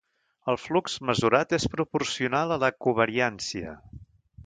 El flux mesurat és proporcional a la covariància.